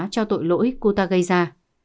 cho tội lỗi cô ta gây ra